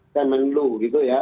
kemenlu gitu ya